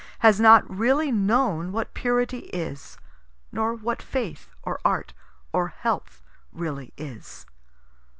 has not really known what purity is nor what faith or art or health really is.